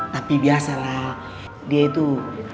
tapi biasalah dia itu nyangkut dulu